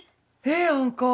ええやんか！